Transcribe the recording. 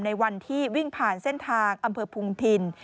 ในวันที่วิ่งผ่านเส้นทางอำเภอพุงพิน